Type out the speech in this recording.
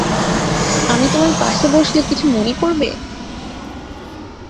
আমি তোমার পাশে বসলে কিছু মনে করবে?